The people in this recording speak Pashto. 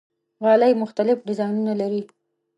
غالۍ مختلف ډیزاینونه لري.